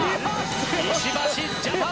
石橋ジャパン。